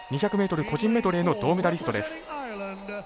２００ｍ個人メドレーの銅メダリストです。